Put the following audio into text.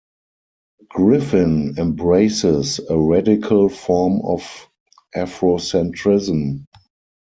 Griffin embraces a radical form of Afrocentrism.